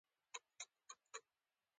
ایا دوهم وار توییږي؟